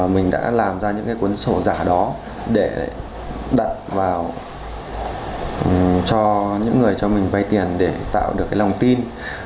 mình đã làm ra những cuốn sổ giả đó để đặt vào cho những người cho mình vai tiền để tạo được lòng tin